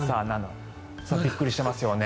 びっくりしてますよね。